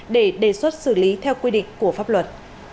để đề xuất xử lý theo quy định của pháp luật